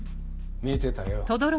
見てたよ。